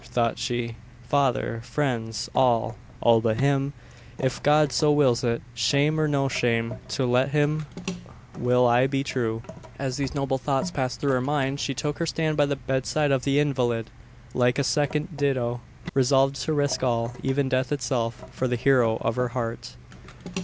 thought she. "Father friends all all but him, if God so wills it! Shame, or no shame, to him will I be true!" As these noble thoughts passed through her mind, she took her stand by the bedside of the invalid, like a second Dido, resolved to risk all even death itself for the hero of her heart.